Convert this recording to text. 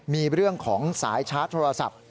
มีเรื่องของสายชาร์จโทรศัพท์